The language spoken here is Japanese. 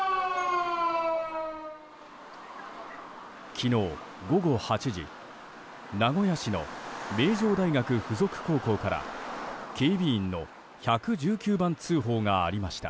昨日午後８時、名古屋市の名城大学附属高校から警備員の１１９番通報がありました。